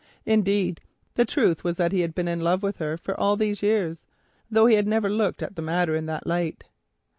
Indeed the truth was that he had been in love with her for all these years, though he had never looked at the matter in that light.